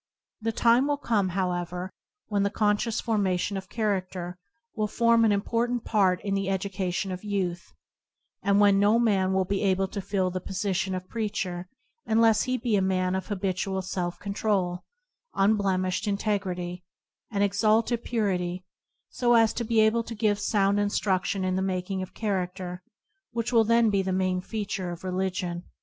The time will come, however, when the conscious formation of character will form an impor tant part in the education of youth, and when no man will be able to fill the position of preacher unless he be a man of habitual self control, unblemished integrity, and ex alted purity, so as to be able to give sound instruction in the making of character, which will then be the main feature of religion.